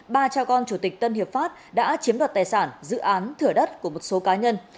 ba cha con chủ tịch tân hiệp pháp đã chiếm đoạt tài sản dự án thửa đất của một số cá nhân